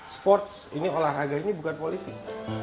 sports ini olahraga ini bukan politik